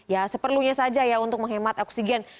ya seperlunya saja ya untuk menghemat oksigen